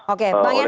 oke bang yandri